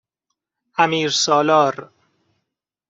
امیرسالار